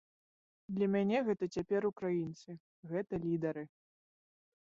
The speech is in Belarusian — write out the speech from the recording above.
Для мяне гэта цяпер украінцы, гэта лідары.